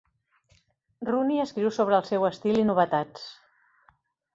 Rooney escriu sobre el seu estil i novetats.